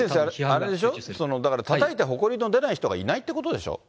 あれでしょ、だからたたいてほこりの出ない人がいないってことでしょ？